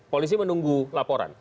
polisi menunggu laporan